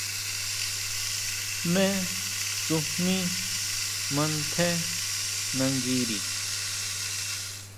¿Jmé tsujmí mantjé nanguiri?